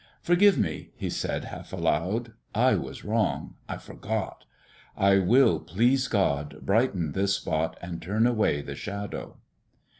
"Forgive me," he said, half aloud. "I was wrong. I forgot. I will, please God, brighten this spot and turn away the Shadow!"